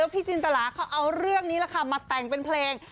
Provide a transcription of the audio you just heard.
พี่จินตระเขาเอาเรื่องนี้มาแต่งเป็นเพลง